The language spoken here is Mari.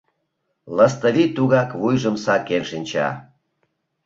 — Лыстывий тугак вуйым сакен шинча.